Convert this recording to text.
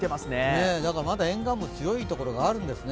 まだ沿岸部、強いところがあるんですね。